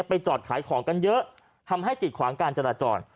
ไปจอดขายของกันเยอะทำให้กิดขวางการจราจร